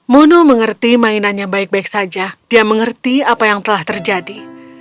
mono mengerti mainannya baik baik saja dia mengerti apa yang telah terjadi